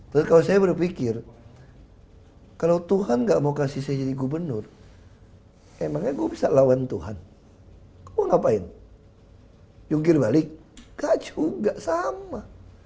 terus kalau saya berpikir kalau tuhan gak mau kasih saya jadi gubernur emangnya gue bisa lawan tuhan gue ngapain jungkir balik gak juga sama